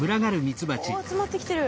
お集まってきてる。